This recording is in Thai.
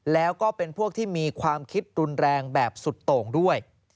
แล้วก็เป็นพวกที่มีความคิดรุนแรงแบบสุดโต่งด้วย